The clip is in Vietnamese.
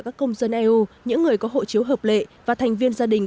tất cả các công dân eu những người có hộ chiếu hợp lệ và thành viên gia đình